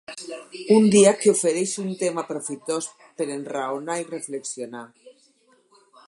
Un dia que ofereix un tema profitós per enraonar i reflexionar